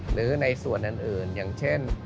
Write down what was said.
หรือในส่วนอื่นอย่างเช่น